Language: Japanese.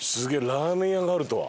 ラーメン屋があるとは。